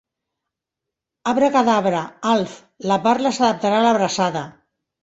Abracadabra, Alf, la parla s'adaptarà a l'abraçada.